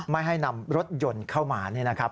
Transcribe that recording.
ไม่ให้นำรถยนต์เข้ามานี่นะครับ